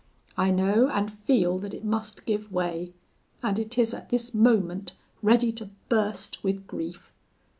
I know and feel that it must give way, and it is at this moment ready to burst with grief.